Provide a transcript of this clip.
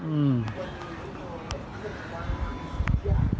อืม